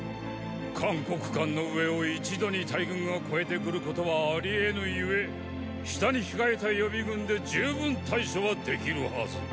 函谷関の上を一度に大軍が越えてくることはありえぬ故下に控えた予備軍で十分対処はできるはず。